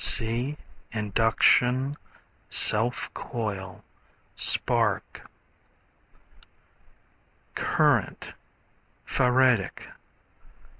(See Induction, Self Coil, Spark.) Current, Faradic.